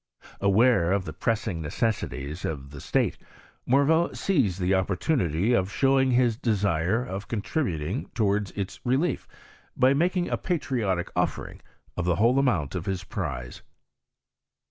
Aware of the press ing necessities of the state, Morveau seized the'*' opportunity of showing his desire of contributing towards its relief, by making a patriotic offering of the whale amount of his prize.